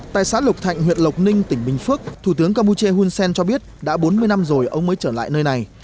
tại xã lục thạnh huyện lộc ninh tỉnh bình phước thủ tướng campuchia hunsen cho biết đã bốn mươi năm rồi ông mới trở lại nơi này